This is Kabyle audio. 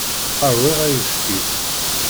Rwiɣ ayefki.